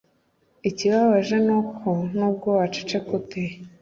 Ikibabaje ni uko n’ubwo waceceka ute